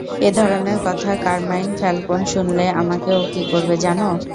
এ ধরনের কথা Carmine Falcone শুনলে আমাকে ও কী করবে জানো?